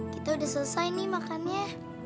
kita udah selesai nih makannya